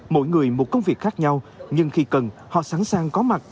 mỗi người một công việc khác nhau nhưng khi cần họ sẵn sàng có mặt